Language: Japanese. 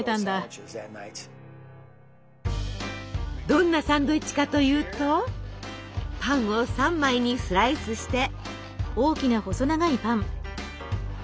どんなサンドイッチかというとパンを３枚にスライスして。